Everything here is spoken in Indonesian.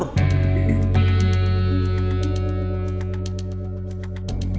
nanti gua kasih pelajaran